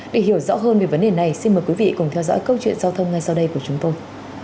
để hiểu rõ hơn về vấn đề này xin mời quý vị cùng theo dõi câu chuyện giao thông ngay sau đây của chúng tôi